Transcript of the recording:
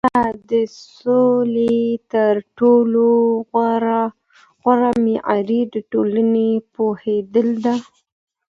آیا د سولي تر ټولو غوره معیار د ټولني پوهیدل ده؟